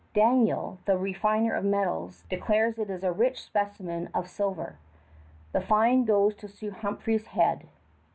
Daniel, the refiner of metals, declares it is a rich specimen of silver. The find goes to Sir Humphrey's head.